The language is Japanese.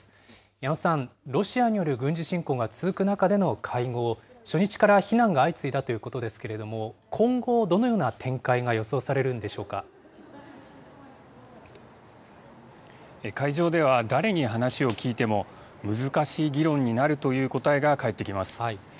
矢野さん、ロシアによる軍事侵攻が続く中での会合、初日から非難が相次いだということですけれども、今後、どのよう会場では、誰に話を聞いても、難しい議論になるという答えが返ってきます。